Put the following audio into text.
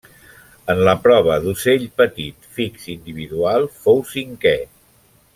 En la prova d'Ocell petit fix individual fou cinquè.